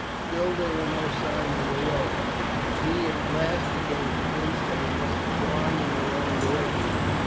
Still there were no signs of a road, and he at last became convinced that he must have gone in the wrong direction.